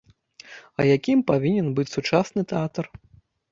А якім павінен быць сучасны тэатр?